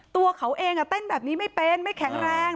ตัวเขาเองเต้นแบบนี้ไม่เป็นไม่แข็งแรง